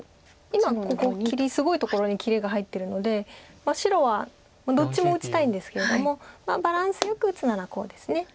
今ここすごいところに切りが入ってるので白はどっちも打ちたいんですけれどもバランスよく打つならこうです。